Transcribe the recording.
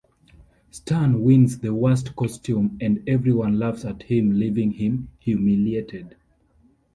Stan wins the worst costume and everyone laughs at him, leaving him humiliated.